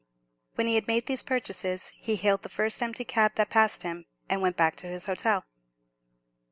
When he had made these purchases, he hailed the first empty cab that passed him, and went back to his hotel.